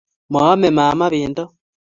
Maame mama pendo.